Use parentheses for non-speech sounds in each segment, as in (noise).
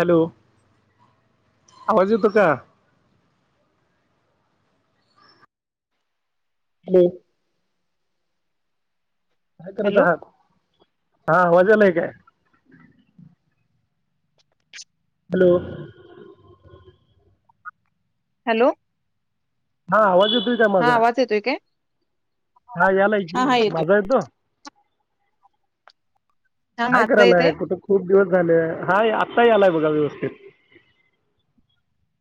Hello आवाज येतो का? हम्. काय करत हॅलो आहात. हा आवाज यायलाय काय? हॅलो. हॅलो. हा आवाज येतोय. का हा माझा आवाज येतोय काय? हा यालाय की हा हा येतोय. माझा येतो. हा काय माझा येतय करायलाय कुठे खूप दिवस झाले हाय काही आलाय बघा व्यवस्थित.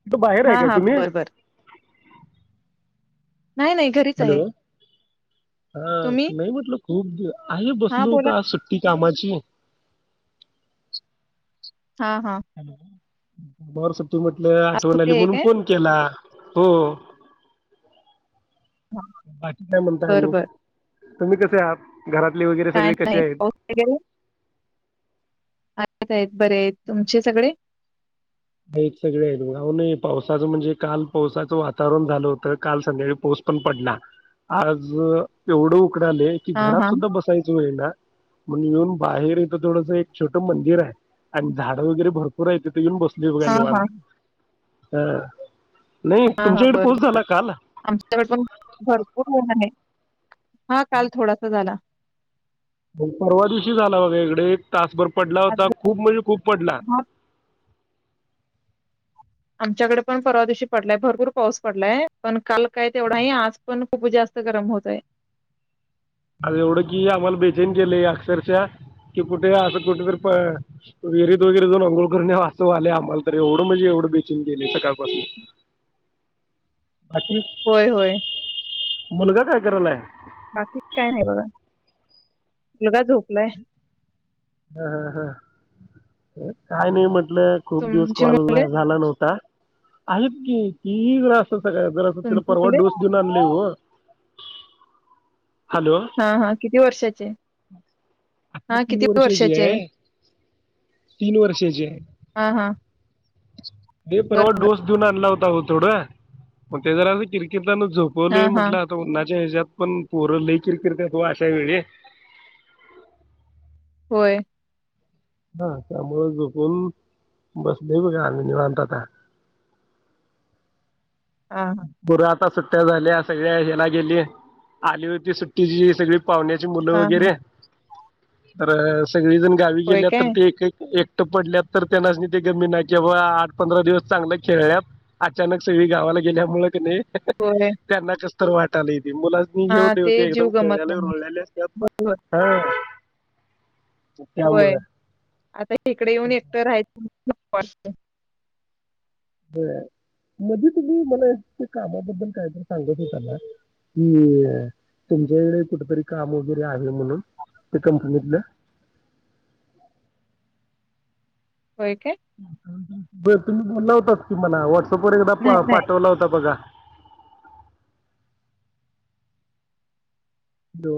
तथ बाहेर हा आहे काय हा तुम्ही? बर बर नाही नाही घरीच आहे हॅलो हा तुम्ही नाही म्हटलं खूप आहे हा बसलो बोला होत की सुट्टी कामाची हा हा हॅलो र स (inaudible) तू म्हटलं आज आठवण सुट्टी आली आहे म्हणून काय फोन केला. हम्म हा, बाकी काय म्हणता बर आणि बर तुम्ही कसे आहात घरातले वगैरे काय सगळे कसे नाही आहेत? पाऊस वगैरे आहेत आहेत बरे आहेत तुमचे सगळे सगळे आहेत जाऊ पावसाचं म्हणजे काल पावसाचं वातावरण झालं होत काल संध्याकाळी पाऊस पण पडला आज एवढं उकडले की हा घरात हा सुद्धा बसायच वेळ ना म्हणून बाहेर इथं थोडं एक छोटं मंदिर आहे आणि झाडं वगैरे भरपूर आहे तिथे येऊन बस बसलोय बघा हा हा निवांत हम् हा हा बरबरर आमच्या पण भरपूर पाऊस आहे हा काल थोडासा झाला परवा दिवशी झाला बघा इकडे एक तासभर पडला आज होता खूप म्हणजे खूप पडला हा, आमच्याकडे पण परवा दिवशी पडलाय भरपूर पाऊस पडलाय पण काल काय तेवढाही आज पण खूप जास्त गरम होत आहे आ एवढं कि आम्हाला बेचन केलेय अक्षरशः कि कुठे असं कुठेरी विहिरीत वगैरे जाऊन अंघोळ करून यावं असं व्हायलेय आम्हाला तर एवढं म्हणजे एवढं बेचन केले सकाळ पाासून. होय होय मुलगा काय करायलाय बाकी काय नाही बघा मुलगा झोपलाय हा हा हा काही नाही म्हन खूप दिवस तुमची कॉल मुले झाला नव्हता आहेत की (inaudible) सकाळ जरा असं तिला तुमची परवा मुले डोस देऊन आणलंय ओ हा हा किती वर्षाचे आता हा किती तीन वर्षाचे आहे वर्षाची आहे हा हा ते परवा बरोबर डोस देऊन आणला होता हो थोड ते जरा किरकट हा झोपवली हा म्हट आता उन्नाच्या पण पोर लय किरकिरत्यात ओ अशा वेळी होय हा त्यामुळे झोपून बसले बघा आम्ही निवांत आता हा पोरं आता सुट्ट्या झाल्या सगळ्या ह्याला गेली आलीवरती सुट्टीची सगळी पाहुण्याची मुलं हा हा वगैरे अरे तगळीजण. होय काय त पडल्यात तर त्यांनास नी तेे गेम बिम नाही कि वा आठ पंधरा दिवस चांगलं खेळल्यात अचानक सगळी गावाला गेल्यामुळें कनई (unintelligible) होय करना कस तर वाटालयीत मुलास्नी हे हा होतय व ते जीव एकदम गमत खेळयाल नाही रुळल्याल असतात, बरोबर हा व्हय. त्यामुळं नको वाटतय व्हय मध्ये तुम्ही मला एका कामाबद्दल काहीतरी सांगत होता ना कि तुमच्याकडे कुठ तरी काम वगैरे आहे म्हणून त्या कंपनीतलं होय काय तुम्ही (unintelligible) बोला होता बग मला व्हॉट्स वर एकदा नाही पाठवला होता बघा दो.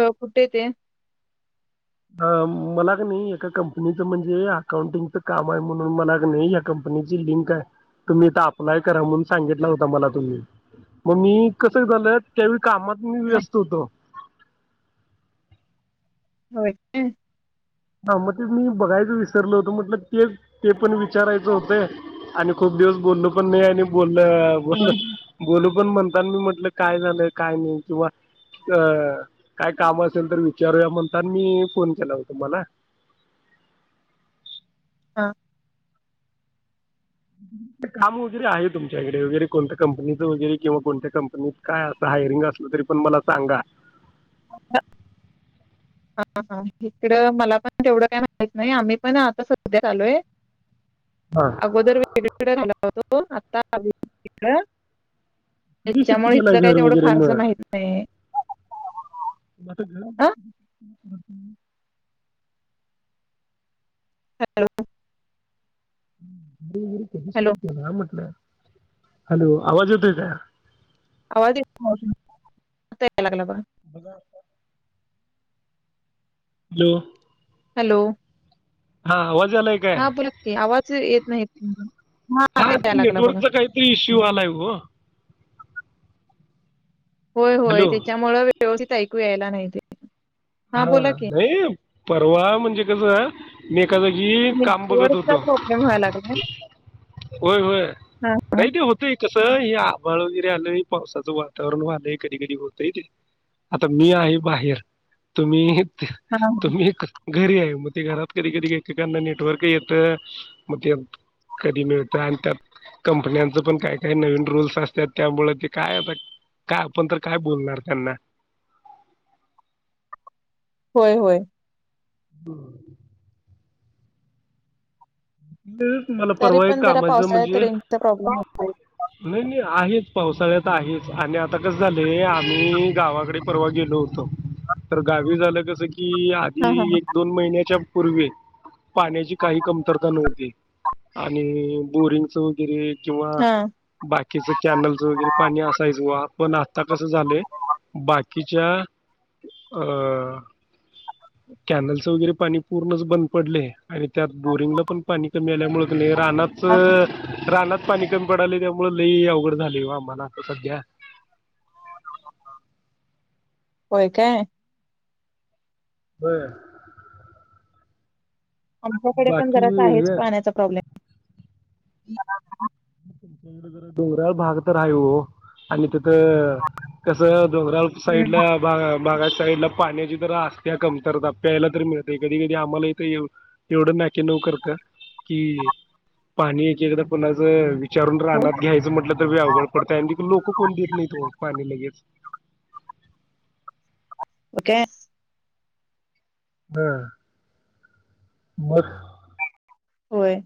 अ कुठे ते? हा मलाकणी एका कंपनीच म्हणजे अकाउंटिंगच काम आहे म्हणून मलाकणी या कंपनीची लिंक आहे तुम्ही इथं अप्लाय करा म्हणून सांगितला होता मला तुम्ही म मी कस झालंय त्यावेळी कामात मी नाही व्यस्त होतो होय काय? हा म तेच मी बघायच विसरलो होतो म्हटल ते ते पण विचारायचं होतंय आणि खूप दिवस बोललो पण नाही आणि बोल ल बोल हा, (unintelligible) बोलू पण म्हणतान मी म्हटलं काय झालं काय नई किंवा अ काय काम असेल तर विचारूया म्हणतान मी फोन केला होता ओ तुम्हाला हा काम वगेरे आहे तुमच्याकडे वेरे कोणत्या कंपनीचं वगैरे किंवा कोणत्या कंपनीत काय असं हायरिंग असलं तरी पण मला सांगा. हा, हा हा हिकडं मला पण तेवढं काय माहित नाही आम्ही पण आता सध्याच आलोय. हां आगोदर वेगळीकड राहीला होतो आता आलोय इकडं धी शिफ्ट त्याच्यामुळे केल इथलं काही घर तेवढं वगैरे म? फारसं माहित नाही. अ हॅलो हू (unintelligible) कधी शिफ्ट हॅलो केला म्हटलं? हॅलो आवाज येतोय का? आवाज येत नाहीं आता यायला लागला बघा बघा आता हॅलो हॅलो हा आवल हा बोलाकी आवाज येत नाही हा आता ते यालागला बघा. नेटवर्कचा काहीतरी इश्यू आलाय हो होय होय हॅलो तेच्यामुळं व्यवस्थित ऐक ऐकू यायला नाही ते हा बोला की नाही. परवा म्हणजे कसं मी. एका जागी काम बघत होतो, नेटवर्कचा प्रॉब्लेम व्हायला लागलाय होय-होय हा नाही ते होतय क. कस हे आभाळ वगैरे आलंय पावसाचं वातावरण व्हालंय कधीं -कधी होतय ते आता मी आहे बाहेर. तुम्ही. हा तुम्ही घरी आहे. मग ते घरात कधी-कधी एकेकाना नेटवर्क येत, मग ते मग कधी मिळत, आणि त्यात कंपन्यांचं पण काय काय नवीन रूल्स असतात, त्यामुळ ते काय आता काय आपण तर काय बोलणार त्यांना. होय- होय. हम्म. तेच मला तरी परवा एक पण जरा कामाचं पावसाळ्यात रेंज चा प्रॉब्लेम येतोयच. नाई- नाई आहेच पावसाळ्यात आहेच आणि आत्ता कसं झालंय आम्ही गावाकडे परवा गेलो होतो, तर गावी झालं कसं की. ती हा हा आधी एक-दोन महिन्याच्या- पूर्वी- पाण्याची काही कमतरता नव्ह (inaudible) आणि अ बोरिंग चं वगैरे किंवा हा बाकीच कॅनल चं वगैरे पाणी हा असायचं वा. पण आता कसं झालं बा- कीच्या अ, कॅनलचं वगैरे पाणी पूर्णच बंद पडलंय आणि त्यात बोरिंगला पण मित्र मेल्यामुळं कने हा रानाचं रानात पाणी कमी पडालंय त्यामुळं लई अवघड झालंय वो आम्हाला, सदया. होय काय? होय. आमच्याकडे पण जरा आहेच हे पाण्याचा प्रॉब्लेम. (unintelligible) तुमच्याकडं जरा डोंगराळ भाग तर हाय वो आणि त त कसं डोंगराळ साईड हम्म ला भा बागाईत साईडला पाण्याची तर आस्त्या कमतरता प्यायला तर मिळतय कधी-कधी आम्हाला हित एवढं नाके नऊ करत, कि पाणी एक-एकदा कोणाचं. वीचारून हो रानांत घ्यायचं म्हटलं, तर लय अवघड पडतेय आणि लोक कोण देत नाईत वो पाणी लगेच. ओके. हा मग. होय.